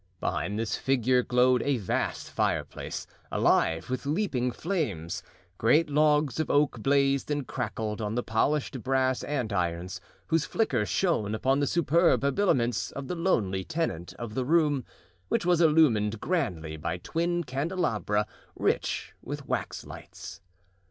Behind this figure glowed a vast fireplace alive with leaping flames; great logs of oak blazed and crackled on the polished brass andirons whose flicker shone upon the superb habiliments of the lonely tenant of the room, which was illumined grandly by twin candelabra rich with wax lights.